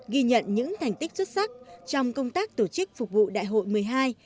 ghi nhận những thành tích xuất sắc trong công tác tổ chức phục vụ đại hội một mươi hai